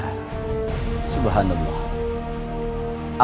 apa yang dikatakan oleh masyarakat subangatnya